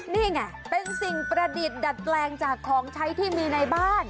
นี่ไงเป็นสิ่งประดิษฐ์ดัดแปลงจากของใช้ที่มีในบ้าน